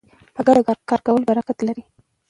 په ګډه کار کول برکت لري.